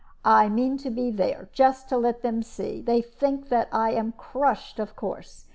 I mean to be there, just to let them see. They think that I am crushed, of course.